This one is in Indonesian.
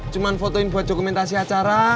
cuma fotoin buat dokumentasi acara